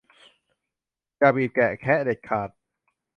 อย่าบีบแกะแคะเด็ดขาด